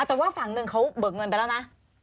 แต่ว่าฝั่งหนึ่งเขาเบิกเงินไปแล้วนะ